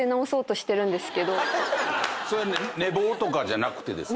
それは寝坊とかじゃなくてですか？